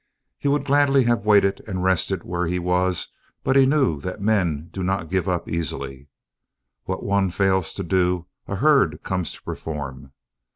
He would gladly have waited and rested where he was but he knew that men do not give up easily. What one fails to do a herd comes to perform.